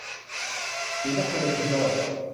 ศรีนครินทรวิโรฒ